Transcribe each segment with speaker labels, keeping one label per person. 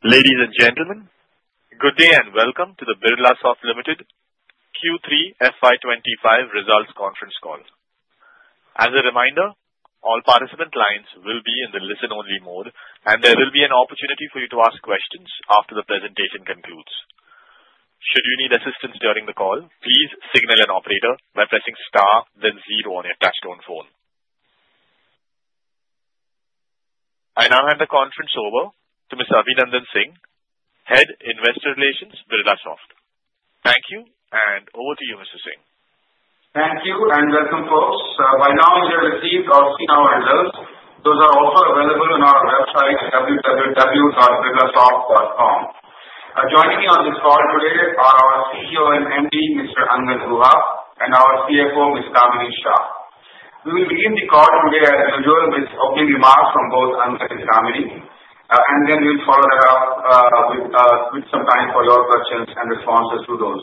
Speaker 1: Ladies and gentlemen, Good Day and Welcome to the Birlasoft Limited Q3 FY25 Results Conference Call. As a reminder, all participant lines will be in the listen-only mode, and there will be an opportunity for you to ask questions after the presentation concludes. Should you need assistance during the call, please signal an operator by pressing star, then zero on your touch-tone phone. I now hand the conference over to Mr. Abhinandan Singh, Head Investor Relations, Birlasoft. Thank you, and over to you, Mr. Singh.
Speaker 2: Thank you and welcome, folks. By now, you'll have received our results. Those are also available on our website, www.birlasoft.com. Joining me on this call today are our CEO and MD, Mr. Angan Guha, and our CFO, Ms. Kamini Shah. We will begin the call today, as usual, with opening remarks from both Angan and Kamini, and then we'll follow that up with some time for your questions and responses to those.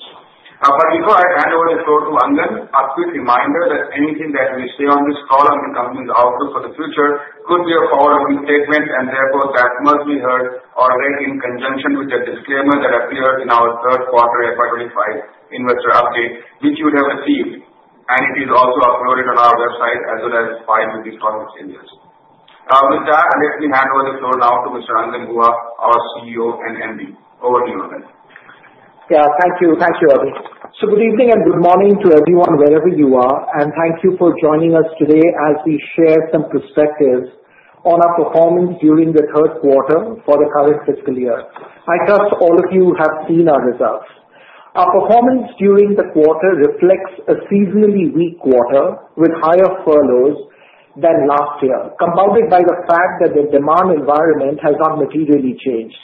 Speaker 2: But before I hand over the floor to Angan, a quick reminder that anything that we say on this call and becomes our outlook for the future could be a forward-looking statement, and therefore that must be heard or read in conjunction with the disclaimer that appears in our third quarter FY25 investor update, which you would have received, and it is also uploaded on our website as well as filed with these conference agents. With that, let me hand over the floor now to Mr. Angan Guha, our CEO and MD. Over to you, Angan.
Speaker 3: Yeah, thank you. Thank you, Abhi. So good evening and good morning to everyone, wherever you are, and thank you for joining us today as we share some perspectives on our performance during the third quarter for the current fiscal year. I trust all of you have seen our results. Our performance during the quarter reflects a seasonally weak quarter with higher furloughs than last year, compounded by the fact that the demand environment has not materially changed.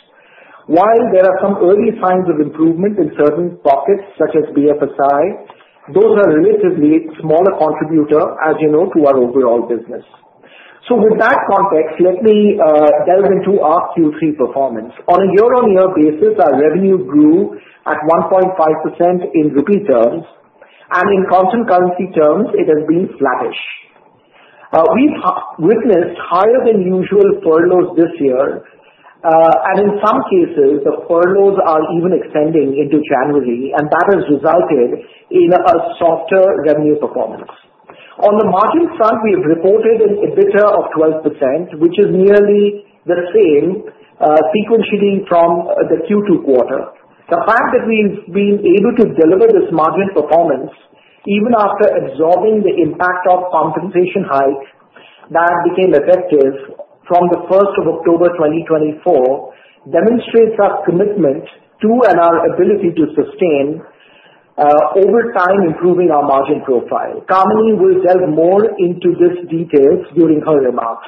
Speaker 3: While there are some early signs of improvement in certain pockets, such as BFSI, those are relatively smaller contributors, as you know, to our overall business. So with that context, let me delve into our Q3 performance. On a year-on-year basis, our revenue grew at 1.5% in reported terms, and in constant currency terms, it has been flattish. We've witnessed higher-than-usual furloughs this year, and in some cases, the furloughs are even extending into January, and that has resulted in a softer revenue performance. On the margin front, we have reported an EBITDA of 12%, which is nearly the same sequentially from the Q2 quarter. The fact that we've been able to deliver this margin performance, even after absorbing the impact of compensation hikes that became effective from the 1st of October 2024, demonstrates our commitment to and our ability to sustain over time improving our margin profile. Kamini will delve more into these details during her remarks.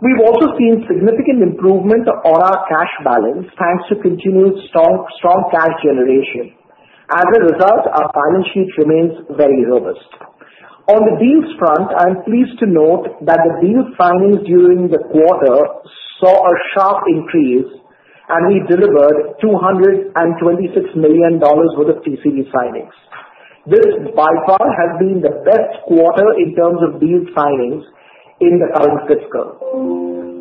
Speaker 3: We've also seen significant improvement on our cash balance thanks to continued strong cash generation. As a result, our balance sheet remains very robust. On the deals front, I'm pleased to note that the deals signings during the quarter saw a sharp increase, and we delivered $226 million worth of TCV signings. This by far has been the best quarter in terms of deals signings in the current fiscal.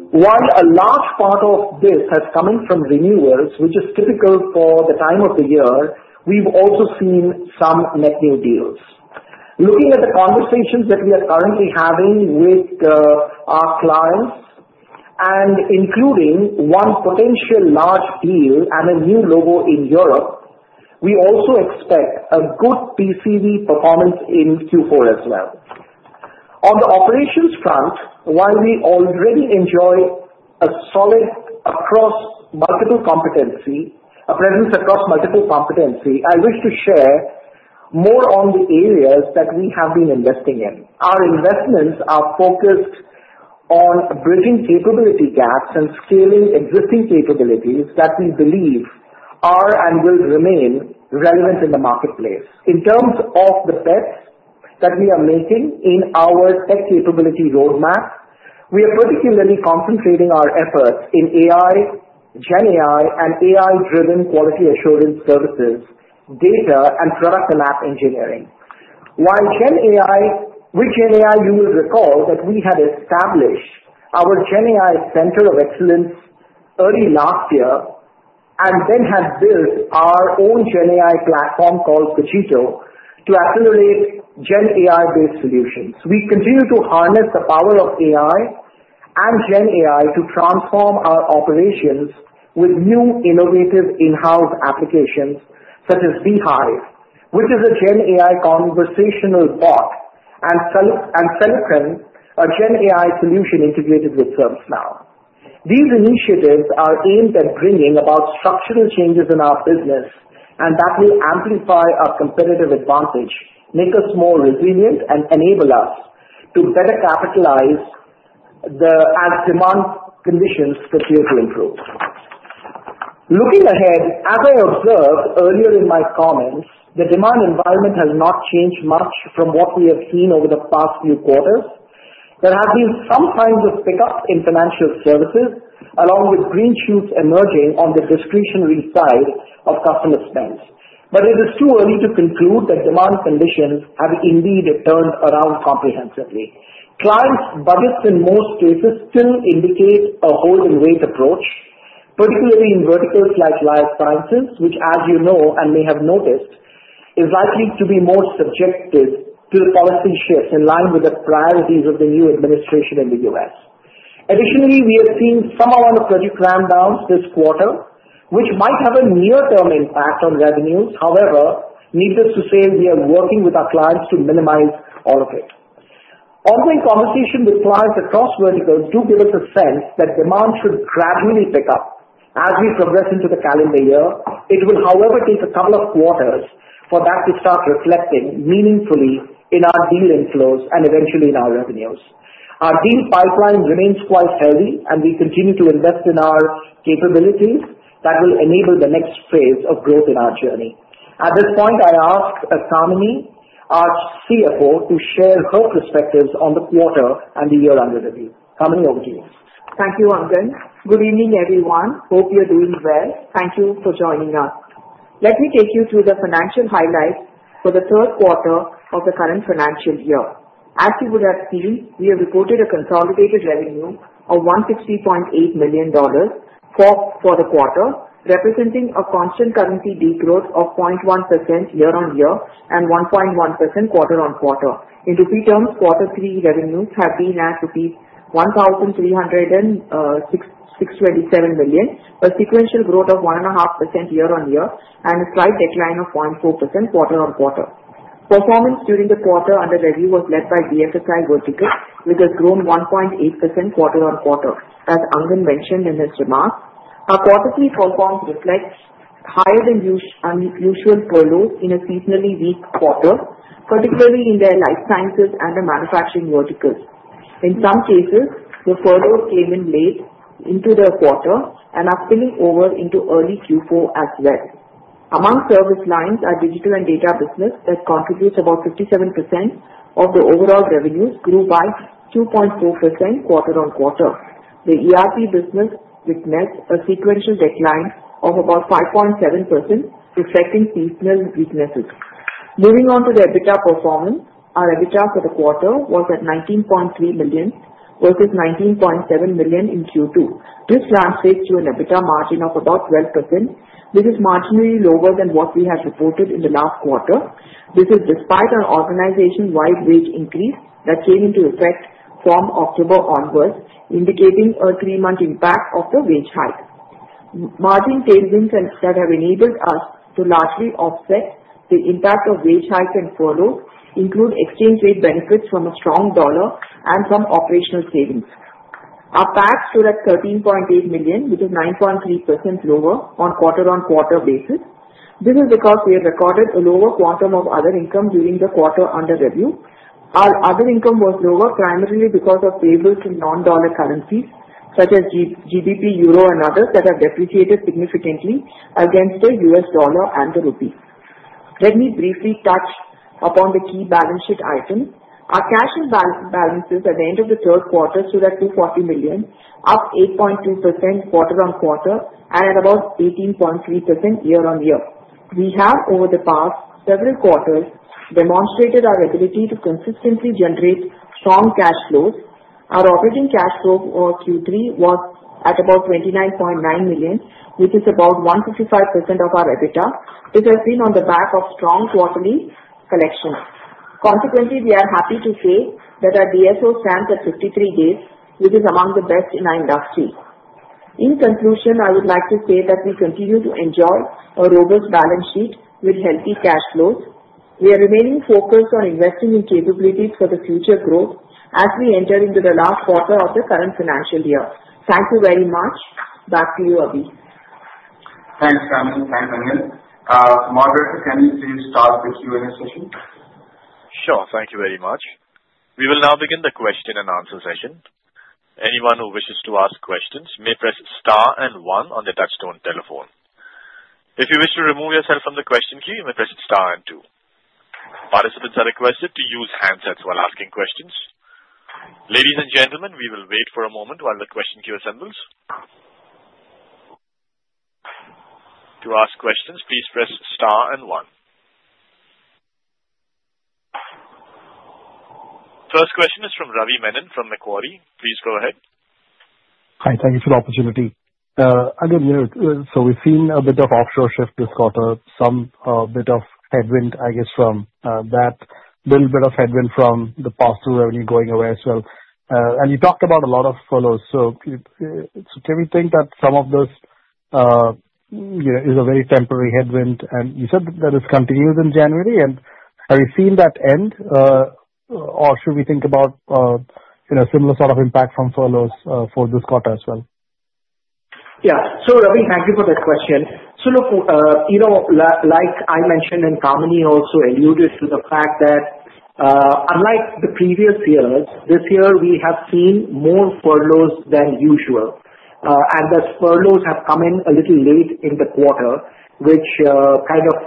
Speaker 3: While a large part of this has come in from renewals, which is typical for the time of the year, we've also seen some net new deals. Looking at the conversations that we are currently having with our clients, and including one potential large deal and a new logo in Europe, we also expect a good TCV performance in Q4 as well. On the operations front, while we already enjoy a solid presence across multiple competencies, I wish to share more on the areas that we have been investing in. Our investments are focused on bridging capability gaps and scaling existing capabilities that we believe are and will remain relevant in the marketplace. In terms of the bets that we are making in our tech capability roadmap, we are particularly concentrating our efforts in AI, GenAI, and AI-driven quality assurance services, data, and product and app engineering. While GenAI, with GenAI, you will recall that we had established our GenAI center of excellence early last year and then had built our own GenAI platform called Cogito to accelerate GenAI-based solutions. We continue to harness the power of AI and GenAI to transform our operations with new innovative in-house applications such as Beehive, which is a GenAI conversational bot, and Saarthi, a GenAI solution integrated with ServiceNow. These initiatives are aimed at bringing about structural changes in our business, and that will amplify our competitive advantage, make us more resilient, and enable us to better capitalize as demand conditions continue to improve. Looking ahead, as I observed earlier in my comments, the demand environment has not changed much from what we have seen over the past few quarters. There have been some signs of pickup in financial services, along with green shoots emerging on the discretionary side of customer spend. But it is too early to conclude that demand conditions have indeed turned around comprehensively. Clients' budgets in most cases still indicate a hold-and-wait approach, particularly in verticals like Life Sciences, which, as you know and may have noticed, is likely to be more subjected to policy shifts in line with the priorities of the new administration in the U.S. Additionally, we have seen some amount of project rundowns this quarter, which might have a near-term impact on revenues. However, needless to say, we are working with our clients to minimize all of it. Ongoing conversations with clients across verticals do give us a sense that demand should gradually pick up as we progress into the calendar year. It will, however, take a couple of quarters for that to start reflecting meaningfully in our deal inflows and eventually in our revenues. Our deal pipeline remains quite heavy, and we continue to invest in our capabilities that will enable the next phase of growth in our journey. At this point, I ask Kamini, our CFO, to share her perspectives on the quarter and the year-end review. Kamini, over to you.
Speaker 4: Thank you, Angan. Good evening, everyone. Hope you're doing well. Thank you for joining us. Let me take you through the financial highlights for the third quarter of the current financial year. As you would have seen, we have reported a consolidated revenue of $160.8 million for the quarter, representing a constant currency degrowth of 0.1% year-on-year and 1.1% quarter-on-quarter. In rupee terms, quarter three revenues have been at rupees 1,327 million, a sequential growth of 1.5% year-on-year, and a slight decline of 0.4% quarter-on-quarter. Performance during the quarter under review was led by BFSI verticals, which has grown 1.8% quarter-on-quarter, as Angan mentioned in his remarks. Our quarterly performance reflects higher-than-usual furloughs in a seasonally weak quarter, particularly in the life sciences and the manufacturing verticals. In some cases, the furloughs came in late into the quarter and are spilling over into early Q4 as well. Among service lines, our digital and data business, that contributes about 57% of the overall revenues, grew by 2.4% quarter-on-quarter. The ERP business witnessed a sequential decline of about 5.7%, reflecting seasonal weaknesses. Moving on to the EBITDA performance, our EBITDA for the quarter was at $19.3 million versus $19.7 million in Q2. This translates to an EBITDA margin of about 12%. This is marginally lower than what we had reported in the last quarter. This is despite our organization-wide wage increase that came into effect from October onwards, indicating a three-month impact of the wage hike. Margin savings that have enabled us to largely offset the impact of wage hikes and furloughs include exchange rate benefits from a strong dollar and some operational savings. Our PAT stood at $13.8 million, which is 9.3% lower on quarter-on-quarter basis. This is because we have recorded a lower quantum of other income during the quarter under review. Our other income was lower primarily because of favorable non-dollar currencies such as GBP, Euro, and others that have depreciated significantly against the U.S. dollar and the rupee. Let me briefly touch upon the key balance sheet items. Our cash and bank balances at the end of the third quarter stood at $240 million, up 8.2% quarter-on-quarter and at about 18.3% year-on-year. We have, over the past several quarters, demonstrated our ability to consistently generate strong cash flows. Our operating cash flow for Q3 was at about $29.9 million, which is about 155% of our EBITDA. This has been on the back of strong quarterly collections. Consequently, we are happy to say that our DSO stands at 53 days, which is among the best in our industry. In conclusion, I would like to say that we continue to enjoy a robust balance sheet with healthy cash flows. We are remaining focused on investing in capabilities for the future growth as we enter into the last quarter of the current financial year. Thank you very much. Back to you, Abhi.
Speaker 2: Thanks, Kamini. Thanks, Angan. Margaret, can you please start the Q&A session?
Speaker 1: Sure. Thank you very much. We will now begin the question-and-answer session. Anyone who wishes to ask questions may press star and one on the touch-tone telephone. If you wish to remove yourself from the question queue, you may press star and two. Participants are requested to use handsets while asking questions. Ladies and gentlemen, we will wait for a moment while the question queue assembles. To ask questions, please press star and one. First question is from Ravi Menon from Macquarie. Please go ahead.
Speaker 5: Hi. Thank you for the opportunity. Again, so we've seen a bit of offshore shift this quarter, some bit of headwind, I guess, from that, a little bit of headwind from the past revenue going away as well. And you talked about a lot of furloughs. So can we think that some of this is a very temporary headwind? And you said that this continues in January. And have we seen that end, or should we think about a similar sort of impact from furloughs for this quarter as well?
Speaker 3: Yeah. So, Ravi, thank you for that question. So, look, like I mentioned, and Kamini also alluded to the fact that, unlike the previous years, this year we have seen more furloughs than usual, and those furloughs have come in a little late in the quarter, which kind of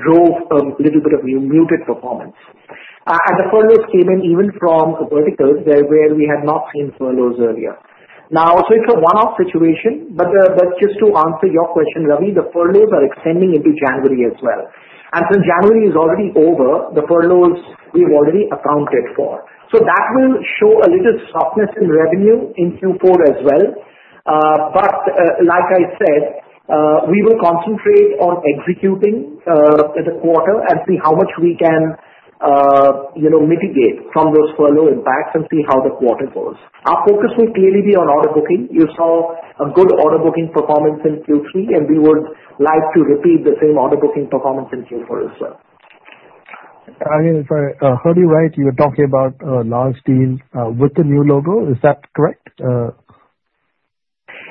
Speaker 3: drove a little bit of muted performance, and the furloughs came in even from verticals where we had not seen furloughs earlier. Now, so it's a one-off situation, but just to answer your question, Ravi, the furloughs are extending into January as well, and since January is already over, the furloughs we've already accounted for, so that will show a little softness in revenue in Q4 as well. But like I said, we will concentrate on executing the quarter and see how much we can mitigate from those furlough impacts and see how the quarter goes. Our focus will clearly be on order booking. You saw a good order booking performance in Q3, and we would like to repeat the same order booking performance in Q4 as well.
Speaker 5: I mean, sorry, heard you right. You were talking about large deal with the new logo. Is that correct?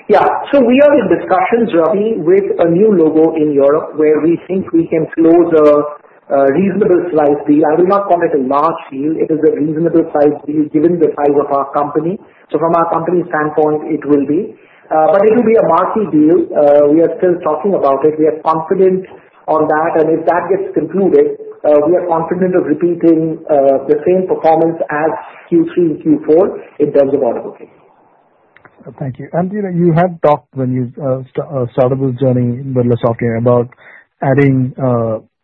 Speaker 3: Yeah. So we are in discussions, Ravi, with a new logo in Europe where we think we can close a reasonable size deal. I will not call it a large deal. It is a reasonable size deal given the size of our company. So from our company standpoint, it will be. But it will be a marquee deal. We are still talking about it. We are confident on that. And if that gets concluded, we are confident of repeating the same performance as Q3 and Q4 in terms of order booking.
Speaker 5: Thank you. And you had talked when you started this journey with the software about adding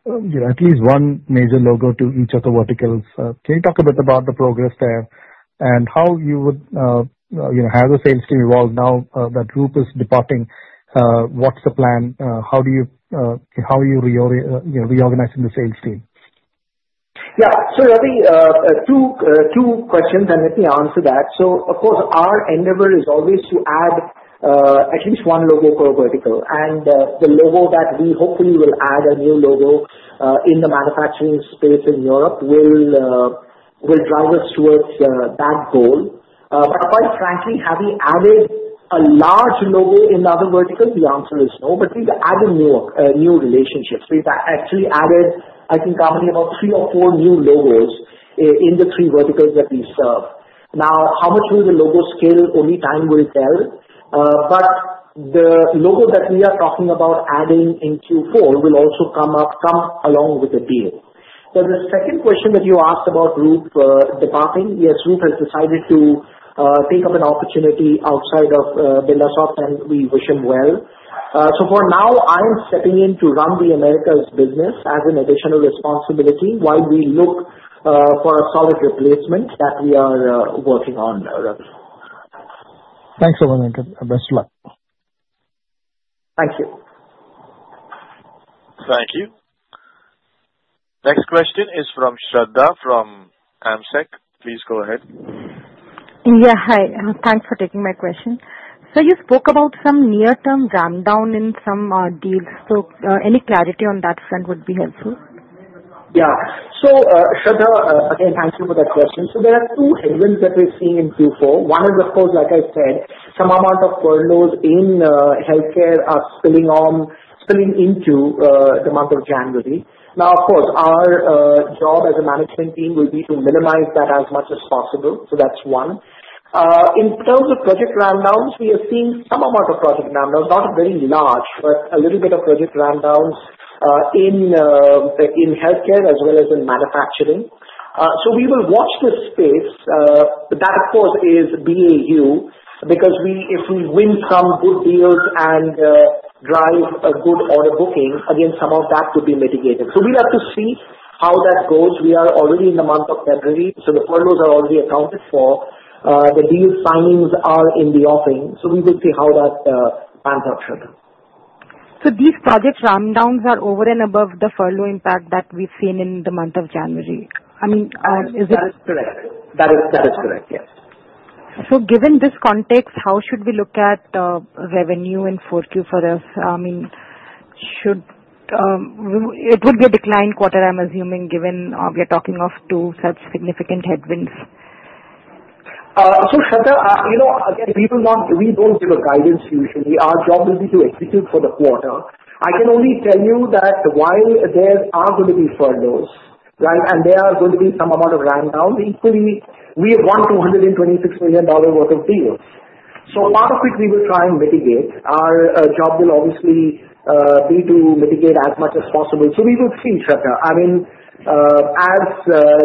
Speaker 5: at least one major logo to each of the verticals. Can you talk a bit about the progress there and how you would have the sales team evolve now that group is departing? What's the plan? How are you reorganizing the sales team?
Speaker 3: Yeah. So, Ravi, two questions, and let me answer that. So, of course, our endeavor is always to add at least one logo per vertical. And the logo that we hopefully will add a new logo in the manufacturing space in Europe will drive us towards that goal. But quite frankly, have we added a large logo in other verticals? The answer is no. But we've added new relationships. We've actually added, I think, Kamini, about three or four new logos in the three verticals that we serve. Now, how much will the logo scale? Only time will tell. But the logo that we are talking about adding in Q4 will also come along with the deal. But the second question that you asked about Roop departing, yes, Roop has decided to take up an opportunity outside of Birlasoft, and we wish him well. So for now, I'm stepping in to run the Americas business as an additional responsibility while we look for a solid replacement that we are working on, Ravi.
Speaker 5: Thanks a lot, Angan. Best of luck.
Speaker 3: Thank you.
Speaker 1: Thank you. Next question is from Shradha from AMSEC. Please go ahead.
Speaker 6: Yeah. Hi. Thanks for taking my question. So you spoke about some near-term rundown in some deals. So any clarity on that front would be helpful.
Speaker 3: Yeah. So, Shradha, again, thank you for that question. So there are two headwinds that we're seeing in Q4. One is, of course, like I said, some amount of furloughs in healthcare are spilling into the month of January. Now, of course, our job as a management team will be to minimize that as much as possible. So that's one. In terms of project rundowns, we are seeing some amount of project rundowns, not very large, but a little bit of project rundowns in healthcare as well as in manufacturing. So we will watch this space. That, of course, is BAU because if we win some good deals and drive a good order booking, again, some of that could be mitigated. So we'll have to see how that goes. We are already in the month of February, so the furloughs are already accounted for. The deal signings are in the offing. So we will see how that pans out, Shradha.
Speaker 6: So these project rundowns are over and above the furlough impact that we've seen in the month of January. I mean, is it?
Speaker 3: That is correct. That is correct. Yes.
Speaker 6: So given this context, how should we look at revenue in 4Q for us? I mean, it would be a declined quarter, I'm assuming, given we are talking of two such significant headwinds.
Speaker 3: So, Shradha, again, we don't give a guidance usually. Our job will be to execute for the quarter. I can only tell you that while there are going to be furloughs, right, and there are going to be some amount of rundowns, equally, we have won $226 million worth of deals. So part of it we will try and mitigate. Our job will obviously be to mitigate as much as possible. So we will see, Shraddha. I mean, as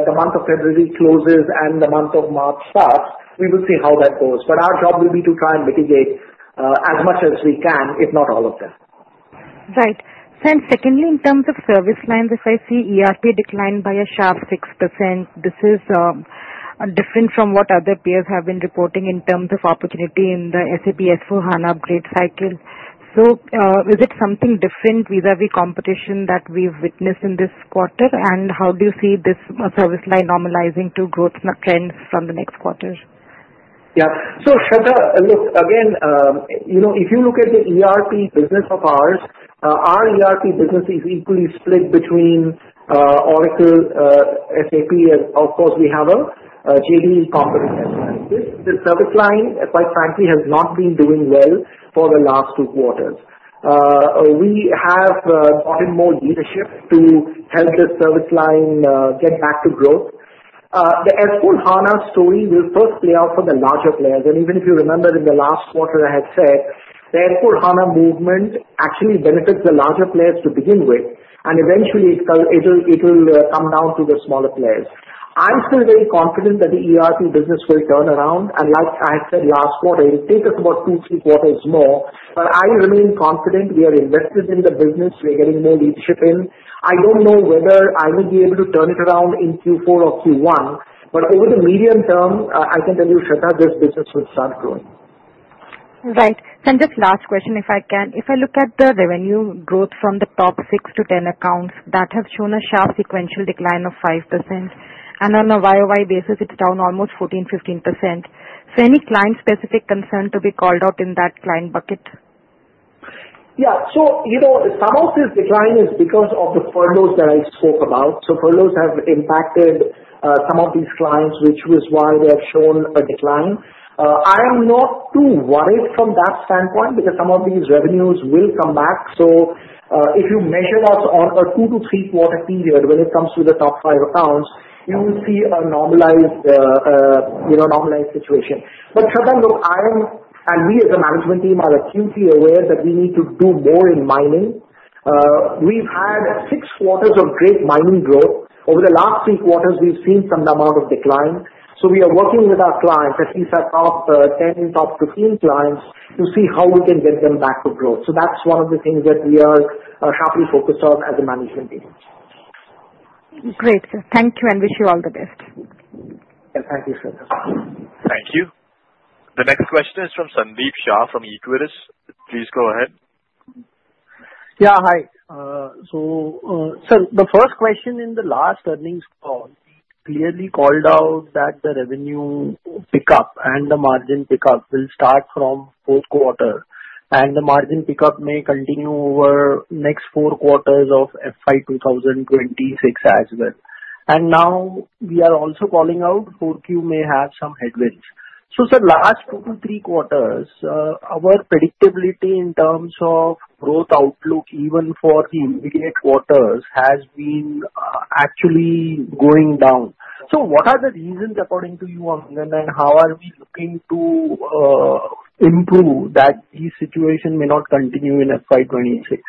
Speaker 3: the month of February closes and the month of March starts, we will see how that goes. But our job will be to try and mitigate as much as we can, if not all of them.
Speaker 6: Right. Then secondly, in terms of service lines, if I see ERP decline by a sharp 6%, this is different from what other peers have been reporting in terms of opportunity in the SAP S/4HANA upgrade cycle. So is it something different, vis-à-vis competition that we've witnessed in this quarter? And how do you see this service line normalizing to growth trends from the next quarter?
Speaker 3: Yeah. So, Shradha, look, again, if you look at the ERP business of ours, our ERP business is equally split between Oracle, SAP, and, of course, we have a JDE company as well. This service line, quite frankly, has not been doing well for the last two quarters. We have brought in more leadership to help this service line get back to growth. The S/4HANA story will first play out for the larger players. And even if you remember, in the last quarter, I had said the S/4HANA movement actually benefits the larger players to begin with, and eventually, it'll come down to the smaller players. I'm still very confident that the ERP business will turn around. And like I had said last quarter, it'll take us about two, three quarters more. But I remain confident we are invested in the business. We are getting more leadership in. I don't know whether I will be able to turn it around in Q4 or Q1, but over the medium term, I can tell you, Shradha, this business will start growing.
Speaker 6: Right. Then just last question, if I can. If I look at the revenue growth from the top 6 to 10 accounts, that has shown a sharp sequential decline of 5%. And on a YOY basis, it's down almost 14%-15%. So any client-specific concern to be called out in that client bucket?
Speaker 3: Yeah. So some of this decline is because of the furloughs that I spoke about. So furloughs have impacted some of these clients, which was why they have shown a decline. I am not too worried from that standpoint because some of these revenues will come back. So if you measure us on a two- to three-quarter period when it comes to the top five accounts, you will see a normalized situation. But, Shradha, look, I am, and we as a management team are acutely aware that we need to do more in mining. We've had six quarters of great mining growth. Over the last three quarters, we've seen some amount of decline. So we are working with our clients, at least our top 10, top 15 clients, to see how we can get them back to growth. So that's one of the things that we are sharply focused on as a management team.
Speaker 6: Great. Thank you, and wish you all the best.
Speaker 3: Thank you, Shradha.
Speaker 1: Thank you. The next question is from Sandeep Shah from Equirus. Please go ahead.
Speaker 7: Yeah. Hi. So, sir, the first question in the last earnings call clearly called out that the revenue pickup and the margin pickup will start from fourth quarter. And the margin pickup may continue over next four quarters of FY 2026 as well. And now we are also calling out 4Q may have some headwinds. So, sir, last two to three quarters, our predictability in terms of growth outlook, even for the immediate quarters, has been actually going down. So what are the reasons, according to you, Angan, and how are we looking to improve that this situation may not continue in FY 2026?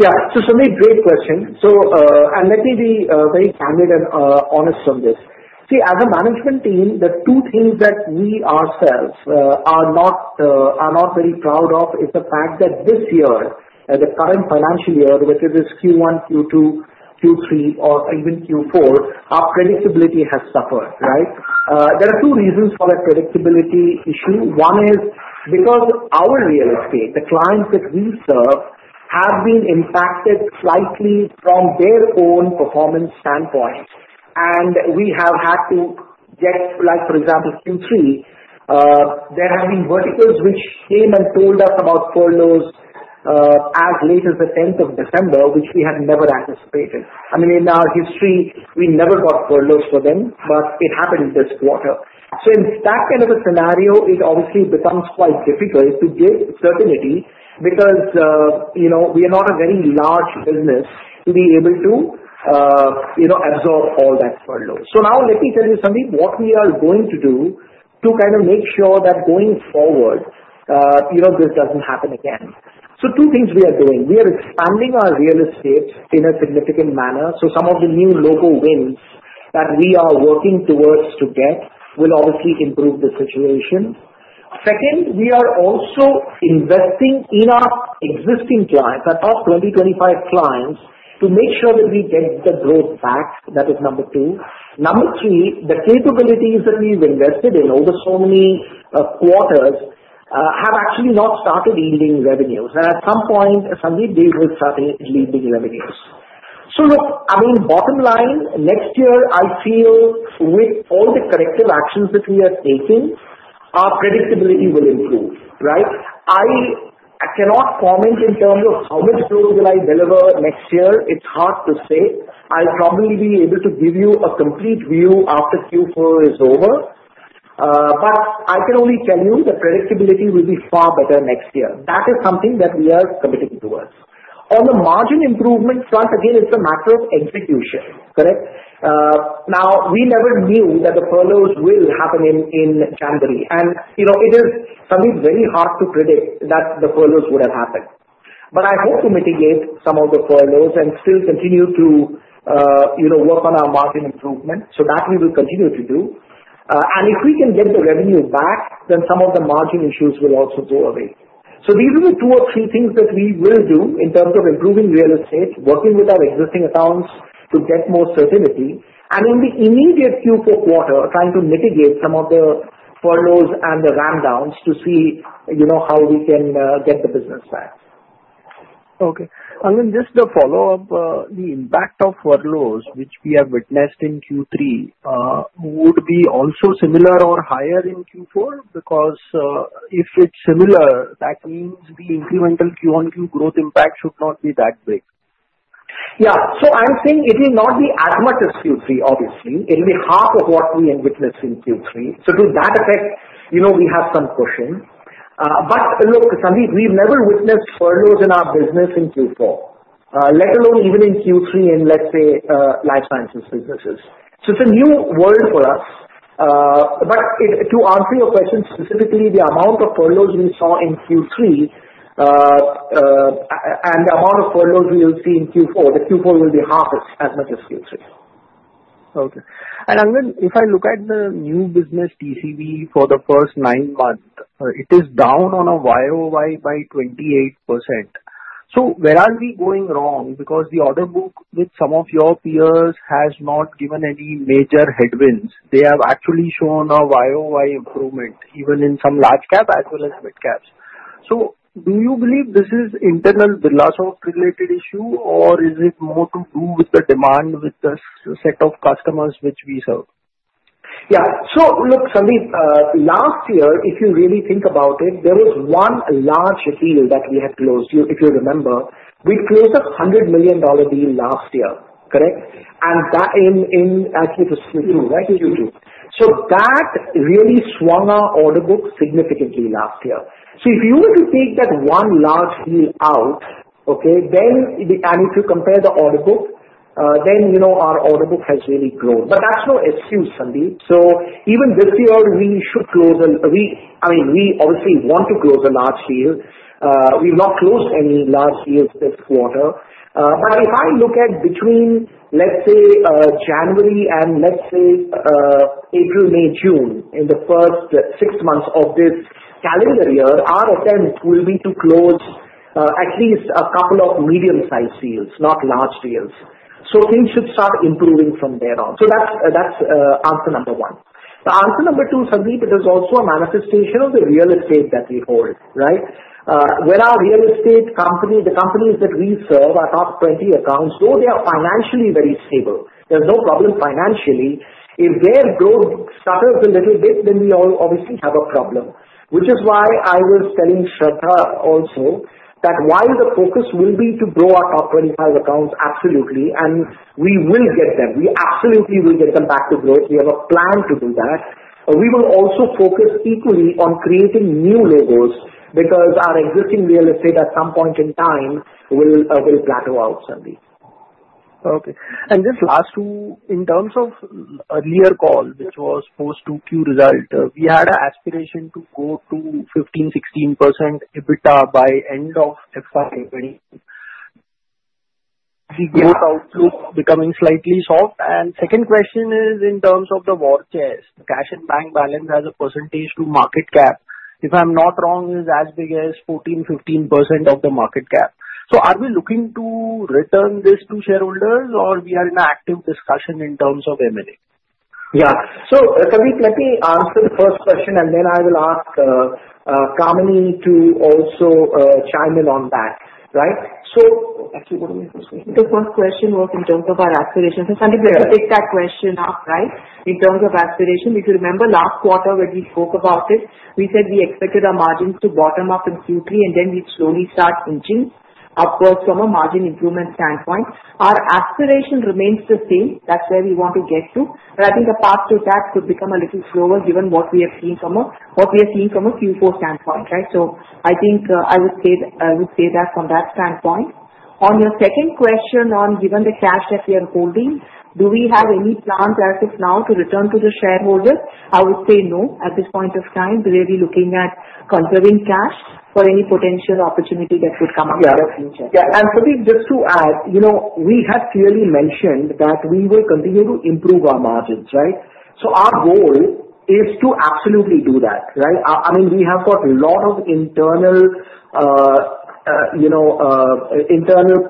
Speaker 3: Yeah. So, Sandeep, great question. And let me be very candid and honest on this. See, as a management team, the two things that we ourselves are not very proud of is the fact that this year, the current financial year, whether it is Q1, Q2, Q3, or even Q4, our predictability has suffered, right? There are two reasons for that predictability issue. One is because our real estate, the clients that we serve, have been impacted slightly from their own performance standpoint. And we have had to get, for example, Q3, there have been verticals which came and told us about furloughs as late as the 10th of December, which we had never anticipated. I mean, in our history, we never got furloughs for them, but it happened this quarter. So, in that kind of a scenario, it obviously becomes quite difficult to give certainty because we are not a very large business to be able to absorb all that furlough. So now let me tell you, Sandeep, what we are going to do to kind of make sure that going forward, this doesn't happen again. So two things we are doing. We are expanding our real estate in a significant manner. So some of the new local wins that we are working towards to get will obviously improve the situation. Second, we are also investing in our existing clients, our top 20, 25 clients, to make sure that we get the growth back. That is number two. Number three, the capabilities that we've invested in over so many quarters have actually not started yielding revenues. And at some point, Sandeep, they will start yielding revenues. So, look, I mean, bottom line, next year, I feel with all the corrective actions that we have taken, our predictability will improve, right? I cannot comment in terms of how much growth will I deliver next year. It's hard to say. I'll probably be able to give you a complete view after Q4 is over, but I can only tell you the predictability will be far better next year. That is something that we are committing to us. On the margin improvement front, again, it's a matter of execution, correct? Now, we never knew that the furloughs will happen in January, and it is, Sandeep, very hard to predict that the furloughs would have happened, but I hope to mitigate some of the furloughs and still continue to work on our margin improvement, so that we will continue to do. And if we can get the revenue back, then some of the margin issues will also go away. So these are the two or three things that we will do in terms of improving real estate, working with our existing accounts to get more certainty. And in the immediate Q4 quarter, trying to mitigate some of the furloughs and the rundowns to see how we can get the business back.
Speaker 7: Okay. Angan, just to follow up, the impact of furloughs, which we have witnessed in Q3, would be also similar or higher in Q4? Because if it's similar, that means the incremental Q1, Q2 growth impact should not be that big.
Speaker 3: Yeah. So I'm saying it will not be as much as Q3, obviously. It will be half of what we have witnessed in Q3. So to that effect, we have some cushion. But look, Sandeep, we've never witnessed furloughs in our business in Q4, let alone even in Q3 in, let's say, life sciences businesses. So it's a new world for us. But to answer your question, specifically, the amount of furloughs we saw in Q3 and the amount of furloughs we will see in Q4, the Q4 will be half as much as Q3.
Speaker 7: Okay. Angan, if I look at the new business TCV for the first nine months, it is down on a YOY by 28%. So where are we going wrong? Because the order book with some of your peers has not given any major headwinds. They have actually shown a YOY improvement, even in some large-cap as well as mid-caps. So do you believe this is internal Birlasoft-related issue, or is it more to do with the demand with the set of customers which we serve?
Speaker 3: Yeah. So look, Sandeep, last year, if you really think about it, there was one large deal that we had closed, if you remember. We closed a $100 million deal last year, correct? And that in actually the Q2, right? Q2. So that really swung our order book significantly last year. So if you were to take that one large deal out, okay, then if you compare the order book, then our order book has really grown. But that's no excuse, Sandeep. So even this year, we should close a—I mean, we obviously want to close a large deal. We've not closed any large deals this quarter. But if I look at between, let's say, January and, let's say, April, May, June, in the first six months of this calendar year, our attempt will be to close at least a couple of medium-sized deals, not large deals. So things should start improving from there on. So that's answer number one. The answer number two, Sandeep, it is also a manifestation of the real estate that we hold, right? When our real estate companies, the companies that we serve, our top 20 accounts, though they are financially very stable, there's no problem financially. If their growth stutters a little bit, then we obviously have a problem, which is why I was telling Shraddha also that while the focus will be to grow our top 25 accounts, absolutely, and we will get them. We absolutely will get them back to growth. We have a plan to do that. We will also focus equally on creating new logos because our existing real estate, at some point in time, will plateau out, Sandeep.
Speaker 7: Okay. And just last two, in terms of earlier call, which was post-2Q result, we had an aspiration to go to 15%-16% EBITDA by end of FY 2022. Is the growth outlook becoming slightly soft? And second question is in terms of the war chest, cash and bank balance as a percentage to market cap, if I'm not wrong, is as big as 14%-15% of the market cap. So are we looking to return this to shareholders, or we are in an active discussion in terms of M&A?
Speaker 3: Yeah. So Sandeep, let me answer the first question, and then I will ask Kamini to also chime in on that, right? So actually, what was the first question?
Speaker 4: The first question was in terms of our aspirations. So, Sandeep, let me take that question up, right? In terms of aspiration, if you remember last quarter, when we spoke about it, we said we expected our margins to bottom out in Q3, and then we'd slowly start inching upwards from a margin improvement standpoint. Our aspiration remains the same. That's where we want to get to. But I think the path to that could become a little slower given what we have seen from a Q4 standpoint, right? So I think I would say that from that standpoint. On your second question, given the cash that we are holding, do we have any plans as of now to return to the shareholders? I would say no at this point of time. We may be looking at conserving cash for any potential opportunity that could come up in the future.
Speaker 3: Yeah. And Sandeep, just to add, we have clearly mentioned that we will continue to improve our margins, right? So our goal is to absolutely do that, right? I mean, we have got a lot of internal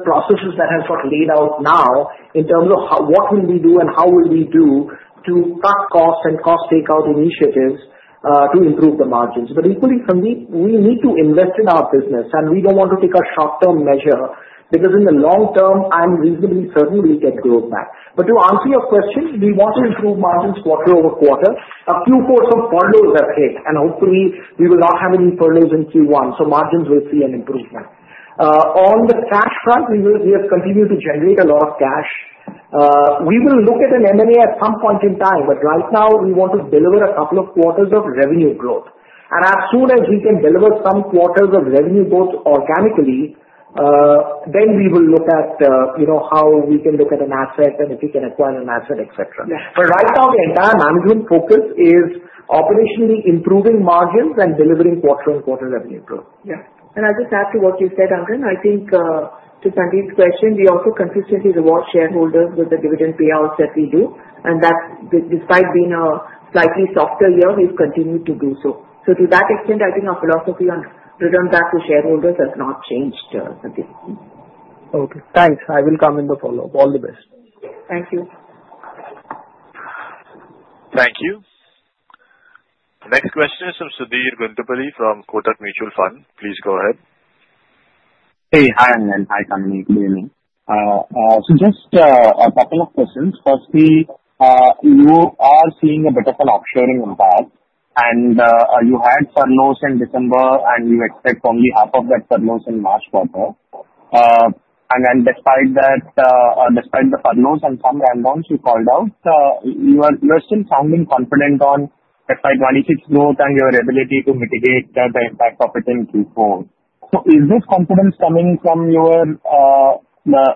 Speaker 3: processes that have got laid out now in terms of what will we do and how will we do to cut costs and cost takeout initiatives to improve the margins. But equally, Sandeep, we need to invest in our business, and we don't want to take a short-term measure because in the long term, I'm reasonably certain we'll get growth back. But to answer your question, we want to improve margins quarter over quarter. Q4, some furloughs have hit, and hopefully, we will not have any furloughs in Q1. So margins will see an improvement. On the cash front, we have continued to generate a lot of cash. We will look at an M&A at some point in time, but right now, we want to deliver a couple of quarters of revenue growth. And as soon as we can deliver some quarters of revenue growth organically, then we will look at how we can look at an asset and if we can acquire an asset, etc. But right now, the entire management focus is operationally improving margins and delivering quarter on quarter revenue growth.
Speaker 4: Yeah. And I'll just add to what you said, Angan. I think to Sandeep's question, we also consistently reward shareholders with the dividend payouts that we do. And despite being a slightly softer year, we've continued to do so. So to that extent, I think our philosophy on return back to shareholders has not changed, Sandeep.
Speaker 7: Okay. Thanks. I will come in the follow-up. All the best.
Speaker 4: Thank you.
Speaker 1: Thank you. Next question is from Sudheer Guntupalli from Kotak Mutual Fund. Please go ahead.
Speaker 8: Hey. Hi, Angan. Hi, Sandeep. Good evening. So just a couple of questions. Firstly, you are seeing a bit of an offshoring impact, and you had furloughs in December, and you expect only half of that furloughs in March quarter. And then despite the furloughs and some rundowns you called out, you are still sounding confident on FY 26 growth and your ability to mitigate the impact of it in Q4. So is this confidence coming from your,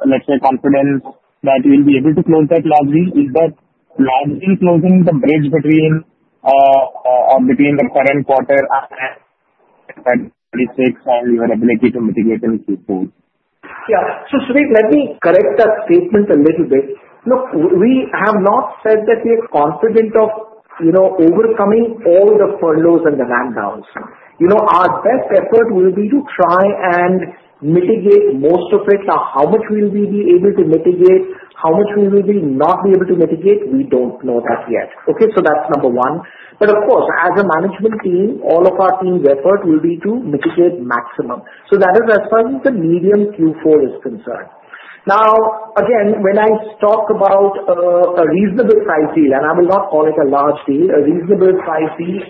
Speaker 8: let's say, confidence that you'll be able to close that largely? Is that largely closing the bridge between the current quarter and FY 26 and your ability to mitigate in Q4?
Speaker 3: Yeah. So Sudheer, let me correct that statement a little bit. Look, we have not said that we are confident of overcoming all the furloughs and the rundowns. Our best effort will be to try and mitigate most of it. How much will we be able to mitigate? How much will we not be able to mitigate? We don't know that yet. Okay? So that's number one. But of course, as a management team, all of our team's effort will be to mitigate maximum. So that is as far as the imminent Q4 is concerned. Now, again, when I talk about a reasonable size deal, and I will not call it a large deal, a reasonable size deal,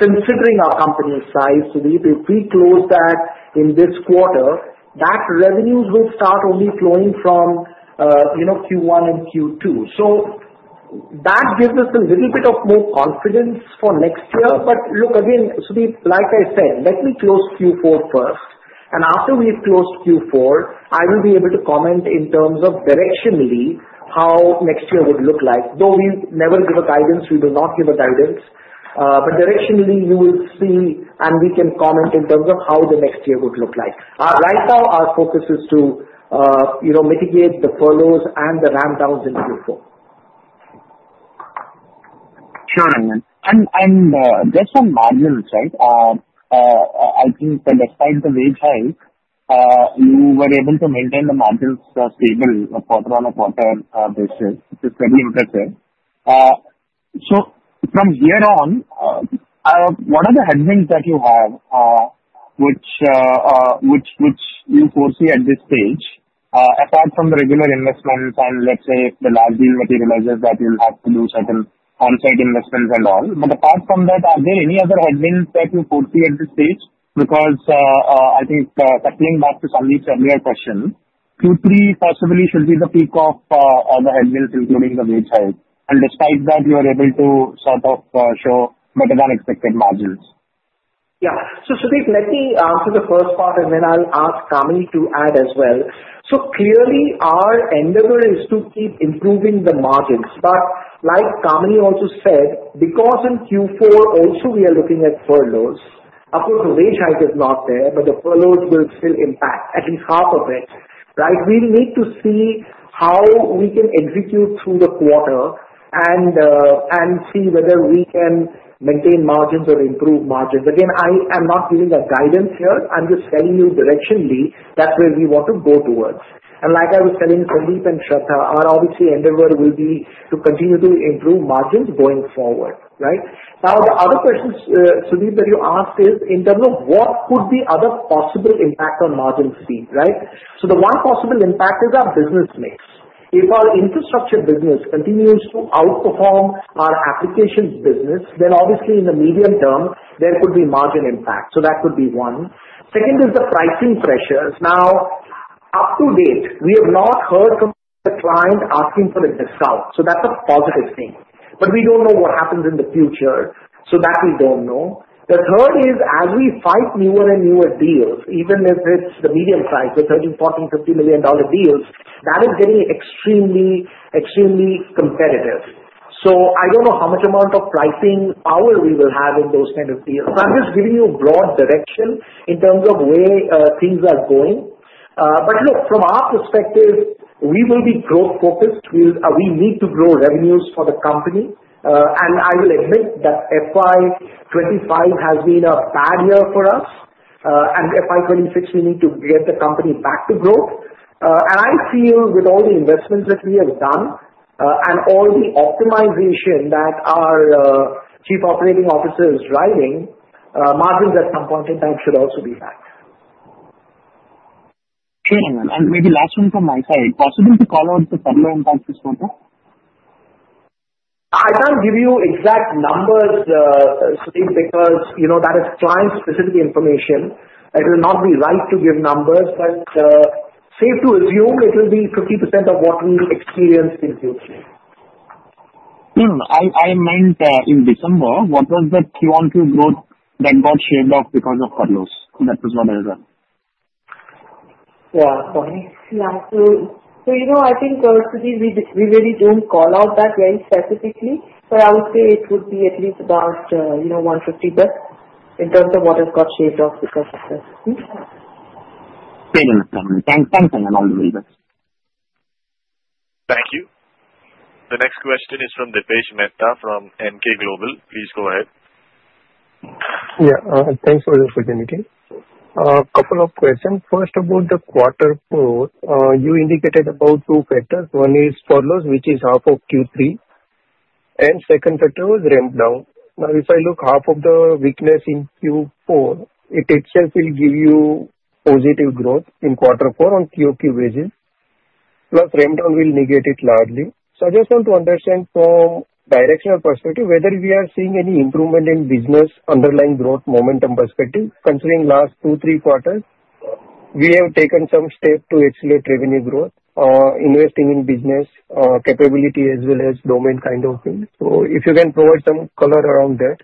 Speaker 3: considering our company's size, Sudheer, if we close that in this quarter, that revenues will start only flowing from Q1 and Q2. So that gives us a little bit of more confidence for next year. But look, again, Sudheer, like I said, let me close Q4 first. And after we've closed Q4, I will be able to comment in terms of directionally how next year would look like. Though we never give a guidance, we will not give a guidance. But directionally, you will see, and we can comment in terms of how the next year would look like. Right now, our focus is to mitigate the furloughs and the rundowns in Q4.
Speaker 8: Sure, Angan. And just on margins, right? I think the best time to reach high, you were able to maintain the margins stable quarter on a quarter basis, which is very impressive. So from here on, what are the headwinds that you have which you foresee at this stage, apart from the regular investments and, let's say, if the large deal materializes, that you'll have to do certain onsite investments and all? But apart from that, are there any other headwinds that you foresee at this stage? Because I think circling back to Sandeep's earlier question, Q3 possibly should be the peak of all the headwinds, including the wage hike. And despite that, you were able to sort of show better-than-expected margins.
Speaker 3: Yeah. So Sudheer, let me answer the first part, and then I'll ask Kamini to add as well. So clearly, our endeavor is to keep improving the margins. But like Kamini also said, because in Q4, also, we are looking at furloughs, of course, the wage hike is not there, but the furloughs will still impact at least half of it, right? We need to see how we can execute through the quarter and see whether we can maintain margins or improve margins. Again, I am not giving a guidance here. I'm just telling you directionally that's where we want to go towards. And like I was telling Sandeep and Shraddha, our obviously endeavor will be to continue to improve margins going forward, right? Now, the other question, Sudheer, that you asked is in terms of what could be other possible impact on margins, right? So the one possible impact is our business mix. If our infrastructure business continues to outperform our application business, then obviously, in the medium term, there could be margin impact. So that could be one. Second is the pricing pressures. Now, to date, we have not heard from the client asking for a discount. So that's a positive thing. But we don't know what happens in the future, so that we don't know. The third is, as we sign newer and newer deals, even if it's the medium size, the $13-$15 million deals, that is getting extremely competitive. So I don't know how much amount of pricing power we will have in those kind of deals. So I'm just giving you a broad direction in terms of where things are going. But look, from our perspective, we will be growth-focused. We need to grow revenues for the company. And I will admit that FY 2025 has been a bad year for us. And FY 2026, we need to get the company back to growth. And I feel, with all the investments that we have done and all the optimization that our Chief Operating Officer is driving, margins at some point in time should also be back.
Speaker 8: Sure, Angan. And maybe last one from my side. Possible to call out the furlough impact this quarter?
Speaker 3: I can't give you exact numbers, Sudheer, because that is client-specific information. It will not be right to give numbers, but safe to assume it will be 50% of what we experience in Q3.
Speaker 8: I meant in December, what was the QoQ growth that got shaved off because of furloughs? That was what I was asking.
Speaker 4: Yeah. Sorry. Yeah, so I think, Sudheer, we really don't call out that very specifically, but I would say it would be at least about 150% in terms of what has got shaved off because of this.
Speaker 8: Same here. Thanks, and all the reasons.
Speaker 1: Thank you. The next question is from Dipesh Mehta from Emkay Global. Please go ahead.
Speaker 9: Yeah. Thanks for the meeting. A couple of questions. First, about the quarter four, you indicated about two factors. One is furloughs, which is half of Q3, and second factor was rundown. Now, if I look, half of the weakness in Q4, it itself will give you positive growth in quarter four on QQ basis, plus rundown will negate it largely, so I just want to understand from a directional perspective whether we are seeing any improvement in business underlying growth momentum perspective. Considering last two, three quarters, we have taken some steps to accelerate revenue growth, investing in business capability as well as domain kind of things, so if you can provide some color around that.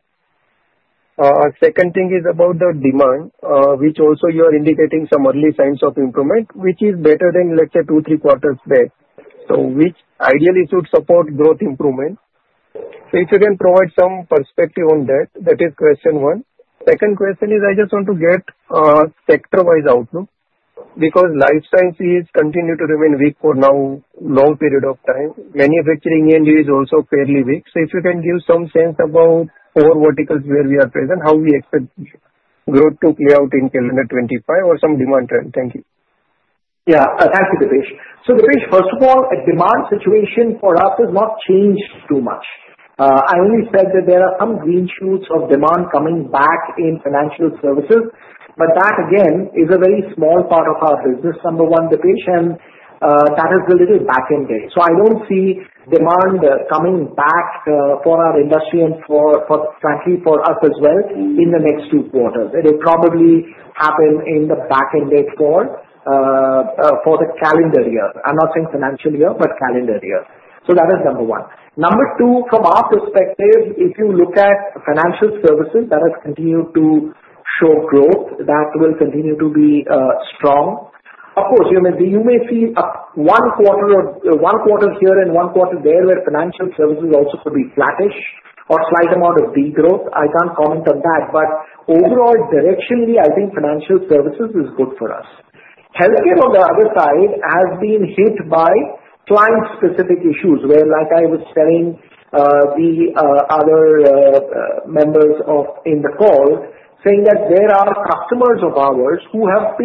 Speaker 9: Second thing is about the demand, which also you are indicating some early signs of improvement, which is better than, let's say, two, three quarters back, which ideally should support growth improvement. So if you can provide some perspective on that, that is question one. Second question is I just want to get sector-wise outlook because life sciences continue to remain weak for now, long period of time. Manufacturing end is also fairly weak. So if you can give some sense about four verticals where we are present, how we expect growth to play out in calendar 25 or some demand trend. Thank you.
Speaker 3: Yeah. Thank you, Dipesh. So Dipesh, first of all, the demand situation for us has not changed too much. I only said that there are some green shoots of demand coming back in financial services. But that, again, is a very small part of our business, number one, Dipesh, and that is a little back-ended. So I don't see demand coming back for our industry and, frankly, for us as well in the next two quarters. It will probably happen in the back-ended for the calendar year. I'm not saying financial year, but calendar year. So that is number one. Number two, from our perspective, if you look at financial services, that has continued to show growth. That will continue to be strong. Of course, you may see one quarter here and one quarter there where financial services also could be flattish or slight amount of degrowth. I can't comment on that. But overall, directionally, I think financial services is good for us. Healthcare, on the other side, has been hit by client-specific issues where, like I was telling the other members in the call, saying that there are customers of ours who are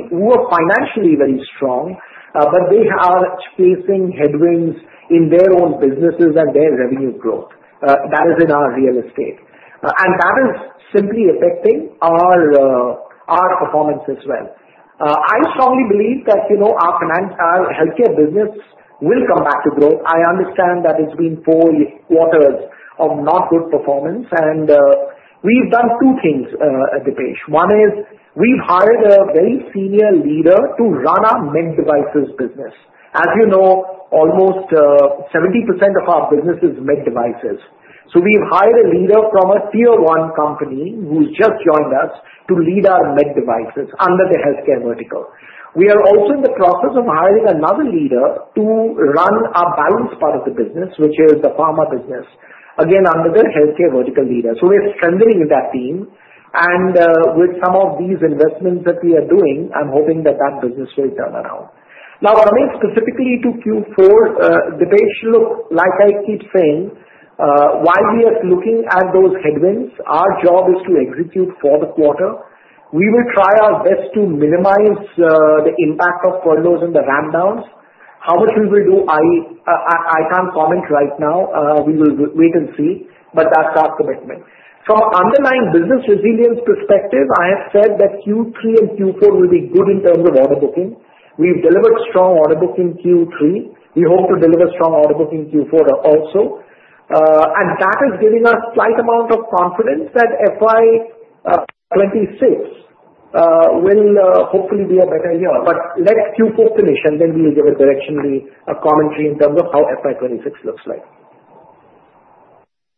Speaker 3: financially very strong, but they are facing headwinds in their own businesses and their revenue growth. That is in our healthcare. And that is simply affecting our performance as well. I strongly believe that our healthcare business will come back to growth. I understand that it's been four quarters of not good performance. And we've done two things, Dipesh. One is we've hired a very senior leader to run our med devices business. As you know, almost 70% of our business is med devices. We've hired a leader from a tier-one company who's just joined us to lead our med devices under the healthcare vertical. We are also in the process of hiring another leader to run our balance part of the business, which is the pharma business, again, under the healthcare vertical leader. We're strengthening that team. With some of these investments that we are doing, I'm hoping that that business will turn around. Now, coming specifically to Q4, Dipesh, look, like I keep saying, while we are looking at those headwinds, our job is to execute for the quarter. We will try our best to minimize the impact of furloughs and the rundowns. How much we will do, I can't comment right now. We will wait and see. That's our commitment. From an underlying business resilience perspective, I have said that Q3 and Q4 will be good in terms of order booking. We've delivered strong order booking Q3. We hope to deliver strong order booking Q4 also. And that is giving us a slight amount of confidence that FY 2026 will hopefully be a better year. But let Q4 finish, and then we'll give a directional commentary in terms of how FY 2026 looks like.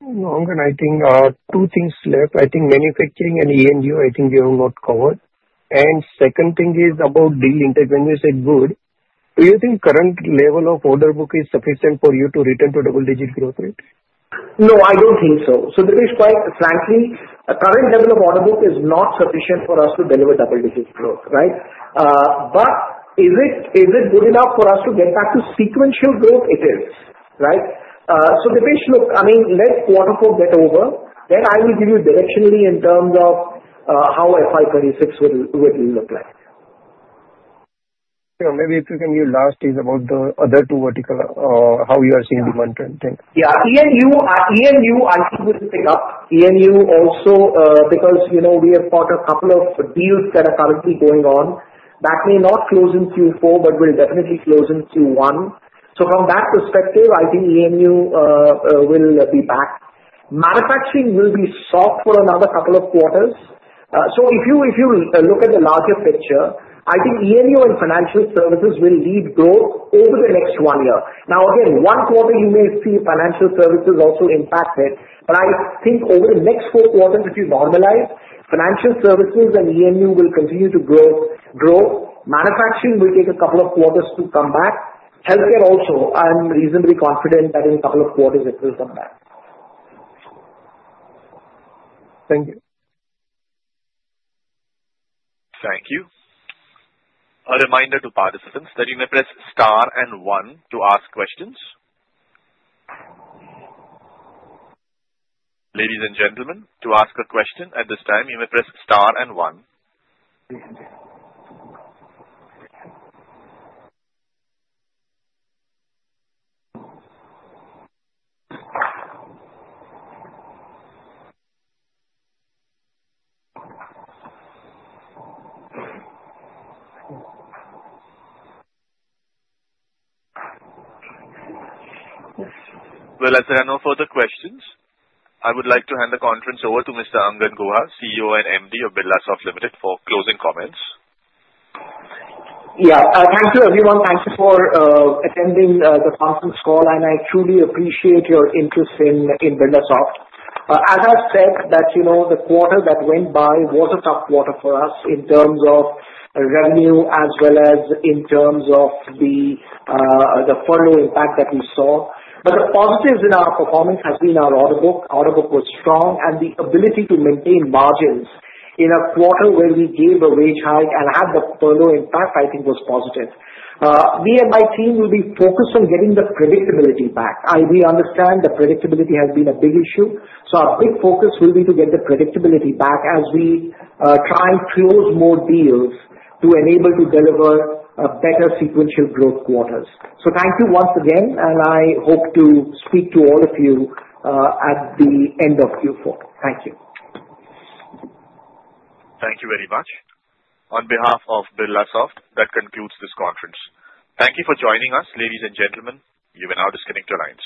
Speaker 9: No, Angan, I think two things left. I think manufacturing and E&U, I think you have not covered. And second thing is about deal interest. When you said good, do you think current level of order book is sufficient for you to return to double-digit growth rate?
Speaker 3: No, I don't think so. So, Dipesh, quite frankly, the current level of order book is not sufficient for us to deliver double-digit growth, right? But is it good enough for us to get back to sequential growth? It is, right? So, Dipesh, look, I mean, let's waterfall that over. Then I will give you directionally in terms of how FY 26 would look like.
Speaker 9: Maybe if you can give us a bit about the other two verticals, how you are seeing demand trends in them.
Speaker 3: Yeah. E&E, I think we'll pick up. E&E also, because we have got a couple of deals that are currently going on, that may not close in Q4, but will definitely close in Q1. So from that perspective, I think E&E will be back. Manufacturing will be soft for another couple of quarters. So if you look at the larger picture, I think E&E and financial services will lead growth over the next one year. Now, again, one quarter, you may see financial services also impacted. But I think over the next four quarters, if you normalize, financial services and E&E will continue to grow. Manufacturing will take a couple of quarters to come back. Healthcare also. I'm reasonably confident that in a couple of quarters, it will come back.
Speaker 9: Thank you.
Speaker 1: Thank you. A reminder to participants that you may press star and one to ask questions. Ladies and gentlemen, to ask a question at this time, you may press star and one. Well, as there are no further questions, I would like to hand the conference over to Mr. Angan Guha, CEO and MD of Birlasoft Limited, for closing comments.
Speaker 3: Yeah. Thank you, everyone. Thank you for attending the conference call. And I truly appreciate your interest in Birlasoft. As I said, the quarter that went by was a tough quarter for us in terms of revenue as well as in terms of the furlough impact that we saw. But the positives in our performance have been our order book. Order book was strong. And the ability to maintain margins in a quarter where we gave a wage hike and had the furlough impact, I think, was positive. Me and my team will be focused on getting the predictability back. We understand the predictability has been a big issue. So our big focus will be to get the predictability back as we try and close more deals to enable to deliver better sequential growth quarters. So thank you once again. And I hope to speak to all of you at the end of Q4. Thank you.
Speaker 1: Thank you very much. On behalf of Birlasoft, that concludes this conference. Thank you for joining us, ladies and gentlemen. You may now disconnect your lines.